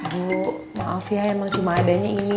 bu maaf ya emang cuma adanya ini